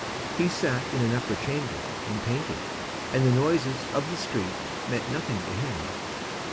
He sat in an upper chamber And painted, And the noises of the street Meant nothing to him.